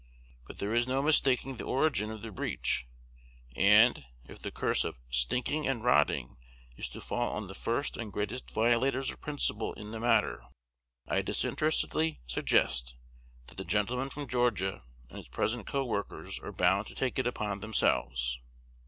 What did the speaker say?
But there is no mistaking the origin of the breach; and, if the curse of "stinking" and "rotting" is to fall on the first and greatest violators of principle in the matter, I disinterestedly suggest, that the gentleman from Georgia and his present co workers are bound to take it upon themselves.